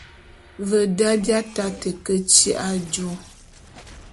Ve da, bi ataté ke tyi'i ajô.